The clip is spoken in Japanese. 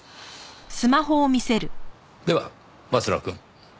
では松野くん。